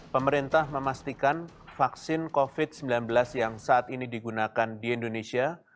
pemerintah memastikan vaksin covid sembilan belas yang saat ini digunakan di indonesia